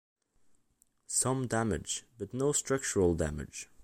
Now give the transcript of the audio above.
Some damage, but no structural damage.